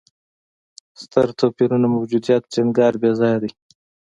ستر توپیر موجودیت ټینګار بېځایه دی.